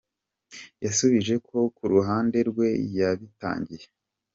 Yansubije ko ku ruhande rwe yabitangiye.